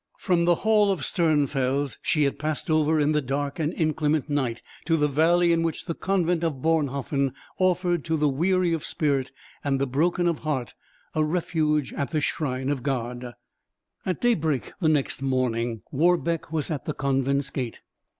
From the hall of Sternfels she had passed over in the dark and inclement night to the valley in which the convent of Bornhofen offered to the weary of spirit and the broken of heart a refuge at the shrine of God. At daybreak the next morning, Warbeck was at the convent's gate.